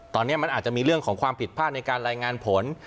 ตอนนี้มันอาจจะมีเรื่องของความผิดพลาดในการรายงานผล